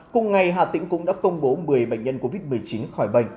cùng ngày hà tĩnh cũng đã công bố một mươi bệnh nhân covid một mươi chín khỏi bệnh